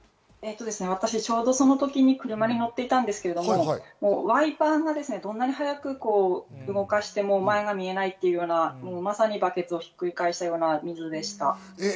私ちょうどその時、車に乗っていたんですけれども、ワイパーをどんなに速く動かしても、前が見えないというような、まさにバケツをひっくり返したような水でした。